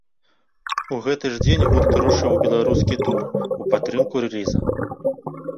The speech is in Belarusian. У гэты ж дзень гурт рушыў у беларускі тур у падтрымку рэліза.